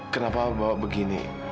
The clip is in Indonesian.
kenapa bapak bawa begini